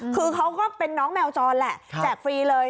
คือเขาก็เป็นน้องแมวจรแหละแจกฟรีเลย